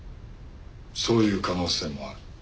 そういう可能性もある。